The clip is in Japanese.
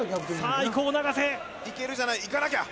いけるじゃない、いかなきゃ。